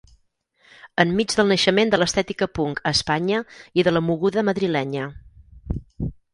En mig del naixement de l'estètica punk a Espanya i de la moguda madrilenya.